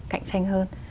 cạnh tranh hơn